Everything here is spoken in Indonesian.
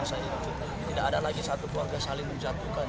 masa ini tidak ada lagi satu keluarga saling menjatuhkan